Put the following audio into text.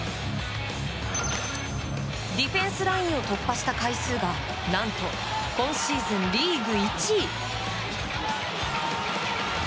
ディフェンスラインを突破した回数が何と今シーズンリーグ１位。